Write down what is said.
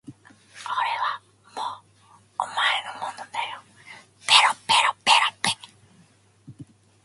俺はもうお前のものだよ